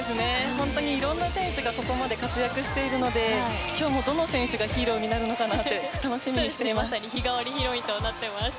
本当にいろんな選手がここまで活躍しているので今日もどの選手がヒーローになるのかまさに日替わりヒロインとなっています。